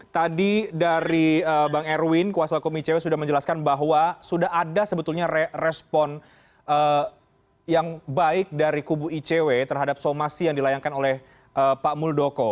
tadi dari bang erwin kuasa hukum icw sudah menjelaskan bahwa sudah ada sebetulnya respon yang baik dari kubu icw terhadap somasi yang dilayangkan oleh pak muldoko